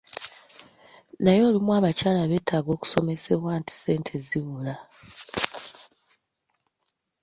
Naye olumu abakyala betaaga kusomesebwa nti ssente zibula.